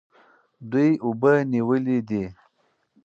دوی اوبه نیولې دي.